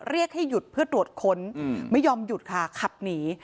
เรียกให้หยุดเพื่อตรวจค้นไม่ยอมหยุดค่ะขับหนี